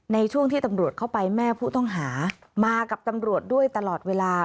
ในช่วงที่ตำรวจเข้าไปแม่ผู้ต้องหามากับตำรวจด้วยตลอดเวลา